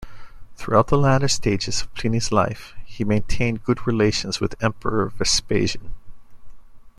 Throughout the latter stages of Pliny's life, he maintained good relations with Emperor Vespasian.